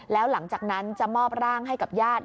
แล้วหลังจากนั้นจะมอบร่างให้กับญาติ